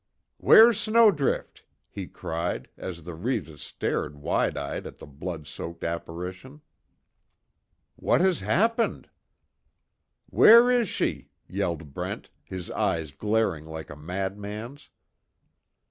"Where's Snowdrift?" he cried, as the Reeves' stared wide eyed at the blood soaked apparition. "What has happened ?" "Where is she?" yelled Brent, his eyes glaring like a mad man's.